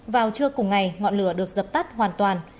vào trưa cùng ngày ngọn lửa được dập tắt hoàn toàn